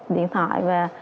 điện thoại và